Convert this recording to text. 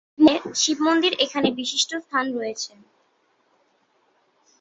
শিব মন্দির এখানে বিশিষ্ট স্থান রয়েছে।